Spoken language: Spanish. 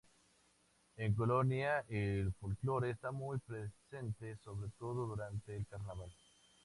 En Colonia el folclore está muy presente, sobre todo durante el Carnaval.